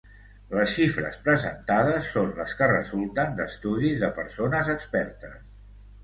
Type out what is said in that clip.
Les xifres presentades són les que resulten d’estudis de persones expertes.